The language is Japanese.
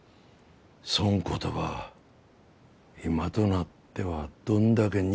そん言葉今となってはどんだけ憎んだか。